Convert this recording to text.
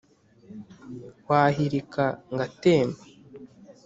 Wahilika ngatemba